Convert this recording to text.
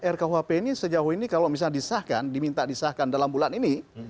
rkuhp ini sejauh ini kalau misalnya disahkan diminta disahkan dalam bulan ini